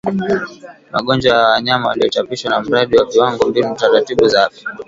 magonjwa ya wanyama uliochapishwa na Mradi wa Viwango Mbinu na Taratibu za Afya